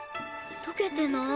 溶けてない。